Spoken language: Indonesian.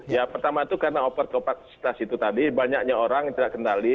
ya pertama itu karena over kapasitas itu tadi banyaknya orang yang tidak kendali